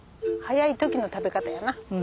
早い時の食べ方やな。